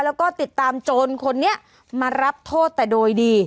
แล้วก็ติดตามโจรคนนี้มารับโทษแต่โดยดี